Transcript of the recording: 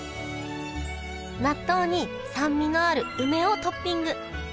納豆に酸味のある梅をトッピング。